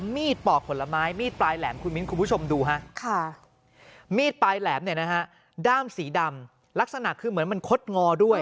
มีดำลักษณะคือเหมือนมันคดงอด้วย